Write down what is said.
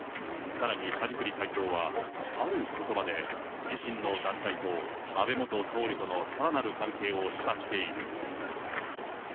さらに梶栗会長は、あることばで、自身の団体と安倍元総理とのさらなる関係を示唆している。